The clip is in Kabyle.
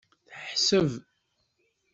Teḥseb.